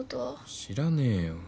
知らねえよ。